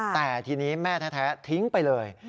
แต่ทีนี้แม่แท้ทิ้งไปเลย